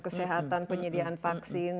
kesehatan penyediaan vaksin